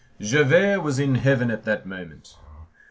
Javert was in heaven at that moment.